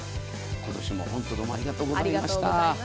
今年も本当にありがとうございました。